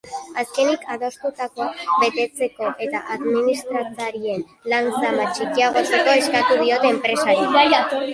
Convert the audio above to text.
Azkenik, adostutakoa betetzeko eta administrarien lan-zama txikiagotzeko eskatu diote enpresari.